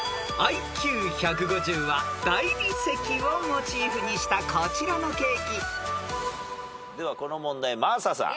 ［ＩＱ１５０は大理石をモチーフにしたこちらのケーキ］ではこの問題真麻さん。